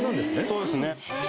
そうですね